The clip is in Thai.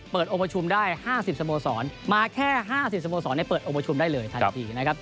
องค์ประชุมได้๕๐สโมสรมาแค่๕๐สโมสรเปิดองค์ประชุมได้เลยทันทีนะครับ